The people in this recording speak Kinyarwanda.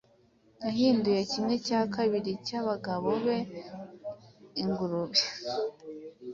Yahinduye kimwe cya kabiri cyabagabo be ingurube